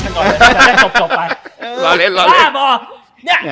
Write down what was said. กันก่อนเลยถ้าไม่ได้ตกตกไปเออรอเล่นรอเล่นบ้าบอเนี่ย